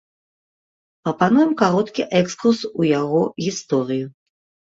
Прапануем кароткі экскурс у яго гісторыю.